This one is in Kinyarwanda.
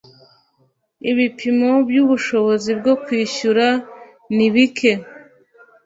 ibipimo by ‘ubushobozi bwo kwishyura nibike.